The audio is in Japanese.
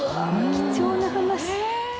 貴重な話。